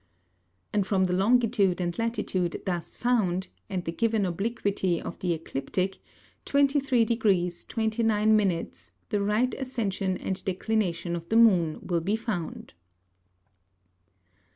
And from the Longitude and Latitude thus found, and the given Obliquity of the Ecliptick, 23 degrees, 29 minutes, the Right Ascension and Declination of the Moon will be found.